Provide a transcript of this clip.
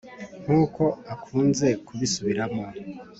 nkuko akunze kubisubiramo .